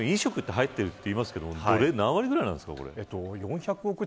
飲食が入っているといっていますけど何割くらいなんですか。